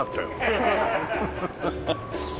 ハハハハッ。